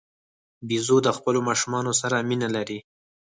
بیزو د خپلو ماشومانو سره مینه لري.